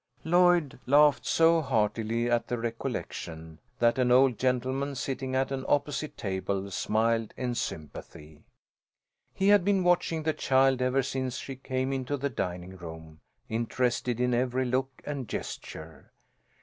Lloyd laughed so heartily at the recollection, that an old gentleman sitting at an opposite table smiled in sympathy. He had been watching the child ever since she came into the dining room, interested in every look and gesture.